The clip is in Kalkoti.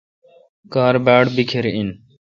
کار باڑ بیکھر این۔